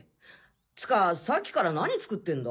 つかさっきから何作ってんだ？